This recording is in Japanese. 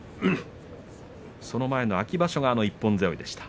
その前の秋場所が一本背負いでした。